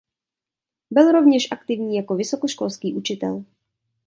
Byl rovněž aktivní jako vysokoškolský učitel.